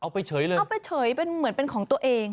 ไปเฉยเลยเอาไปเฉยเป็นเหมือนเป็นของตัวเอง